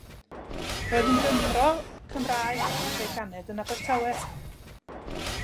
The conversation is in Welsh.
Roedd yn Gymro Cymraeg ac fe'i ganed yn Abertawe.